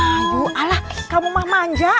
aduh ala kamu mah manja